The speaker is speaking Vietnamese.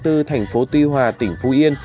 thành phố tuy hòa tỉnh phú yên